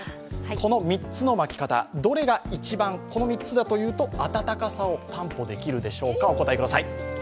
この３つの巻き方、この３つだと暖かさを担保できるでしょうか。